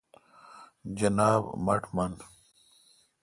جناب-مٹھ من۔